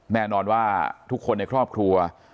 แน่นอนว่าทุกคนในครอบครัว